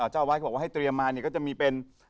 เจ้าอาวาสเขาบอกว่าให้เตรียมมาเนี่ยก็จะมีเป็น